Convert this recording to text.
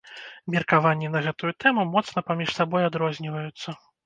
Меркаванні на гэтую тэму моцна паміж сабой адрозніваюцца.